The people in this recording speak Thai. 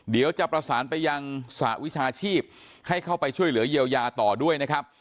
เดี๋ยวจะประสานไปยังสหวิชาชีพให้เข้าไปช่วยเหลือเยียวยาต่อด้วยนะครับ